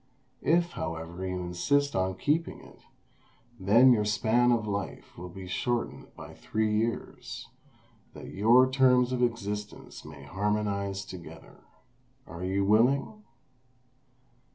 If, however, you insist on keeping it, then your span of life will be shortened by three years, that your terms of existence may harmonize together. Are you willing?"